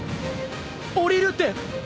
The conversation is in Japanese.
降りるって！？